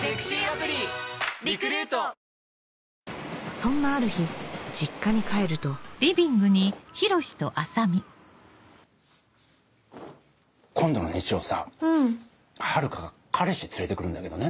そんなある日実家に帰ると今度の日曜さ遥が彼氏連れてくるんだけどね。